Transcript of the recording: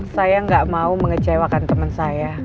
saya gak mau mengecewakan temen saya